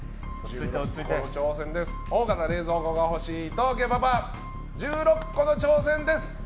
大型冷蔵庫が欲しい伊藤家パパ１６個の挑戦です。